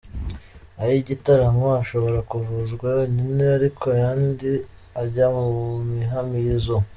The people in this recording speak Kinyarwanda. Ay’igitaramo ashobora kuvuzwa yonyine ariko ayandi ajya mu mihamirizo.